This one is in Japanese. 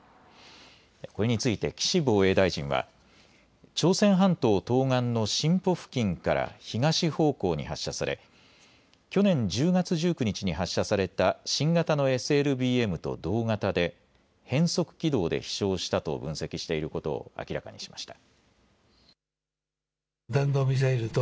これについて岸防衛大臣は朝鮮半島東岸のシンポ付近から東方向に発射され去年１０月１９日に発射された新型のＳＬＢＭと同型で変則軌道で飛しょうしたと分析していることを明らかにしました。